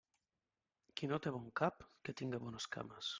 Qui no té bon cap, que tinga bones cames.